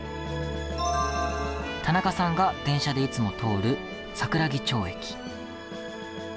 田中さんが電車でいつも通る桜木町駅。